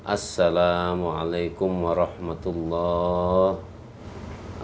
assalamualaikum warahmatullahi wabarakatuh